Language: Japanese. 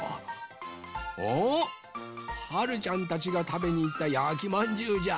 おっはるちゃんたちがたべにいったやきまんじゅうじゃ。